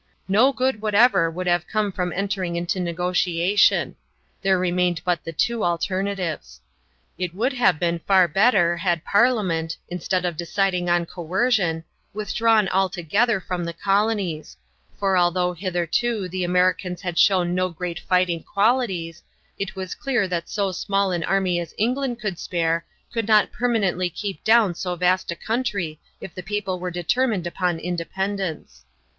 No good whatever would have come from entering into negotiation; there remained but the two alternatives. It would have been far better had Parliament, instead of deciding on coercion, withdrawn altogether from the colonies, for although hitherto the Americans had shown no great fighting qualities, it was clear that so small an army as England could spare could not permanently keep down so vast a country if the people were determined upon independence.